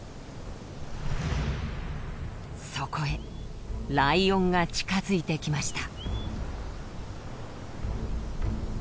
そこへライオンが近づいてきました。